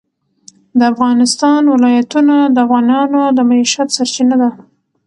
د افغانستان ولايتونه د افغانانو د معیشت سرچینه ده.